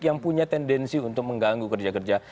yang punya tendensi untuk mengganggu kerja kerja